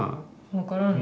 分からんね。